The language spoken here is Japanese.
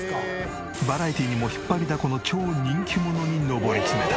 バラエティにも引っ張りだこの超人気者に上り詰めた。